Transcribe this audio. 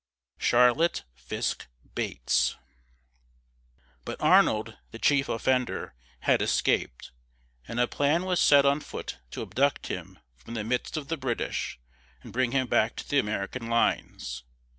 CHARLOTTE FISKE BATES. But Arnold, the chief offender, had escaped, and a plan was set on foot to abduct him from the midst of the British and bring him back to the American lines.